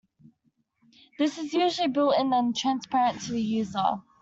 This is usually built in and transparent to the user.